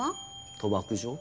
賭博場。